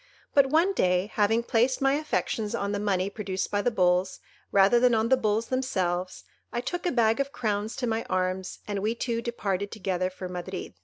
But one day, having placed my affections on the money produced by the bulls, rather than on the bulls themselves, I took a bag of crowns to my arms, and we two departed together for Madrid.